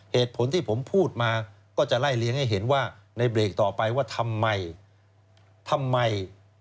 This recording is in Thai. เหตุผลที่ผมพูดมาก็จะไล่เลี้ยงให้เห็นว่าในเบรกต่อไปว่าทำไมทำไม